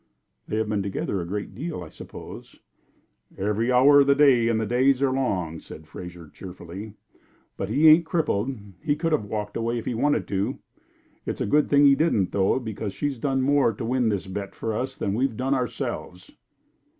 "They have been together a great deal, I suppose." "Every hour of the day, and the days are long," said Fraser, cheerfully. "But he ain't crippled; he could have walked away if he'd wanted to. It's a good thing he didn't, though, because she's done more to win this bet for us than we've done ourselves."